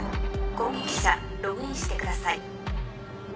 攻撃者ログインしてください。